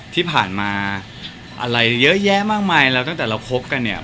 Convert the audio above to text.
ที่ผ่านมาอะไรเยอะแยะมากมายแล้วตั้งแต่เราคบกันเนี่ย